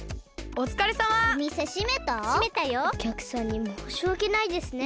おきゃくさんにもうしわけないですね。